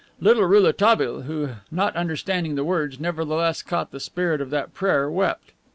Little Rouletabille, who, not understanding the words, nevertheless caught the spirit of that prayer, wept.